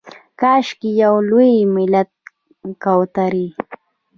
کاشکي یو لوی ملت کوترې